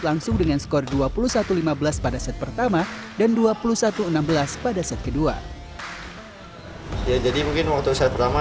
langsung dengan skor dua puluh satu lima belas pada set pertama dan dua puluh satu enam belas pada set kedua ya jadi mungkin waktu set pertama